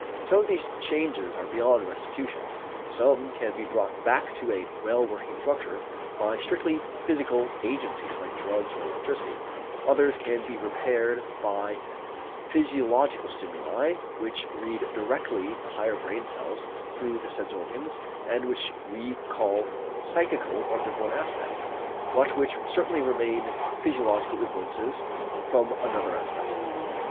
Some of these changes are beyond restitution; some can be brought back to a well working structure by strictly physical agencies like drugs or electricity; others can be repaired by physiological stimuli which reach directly the higher brain cells through the sense organs and which we call psychical under one aspect, but which certainly remain physiological influences from another aspect.